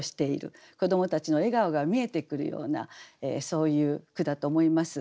子どもたちの笑顔が見えてくるようなそういう句だと思います。